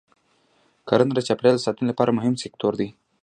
کرنه د چاپېریال د ساتنې لپاره مهم سکتور دی.